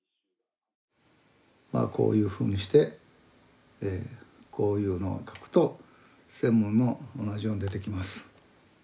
まあこういうふうにしてこういうのを書くと専務も同じように出てきます。